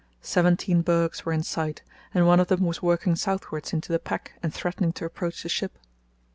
Seventeen bergs were in sight, and one of them was working southwards into the pack and threatening to approach the ship.